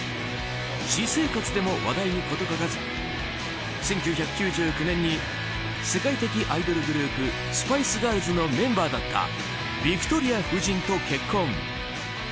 私生活でも話題に事欠かず１９９９年に世界的アイドルグループスパイス・ガールズのメンバーだったビクトリア夫人と結婚。